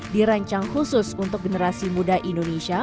dirancang khusus untuk generasi muda indonesia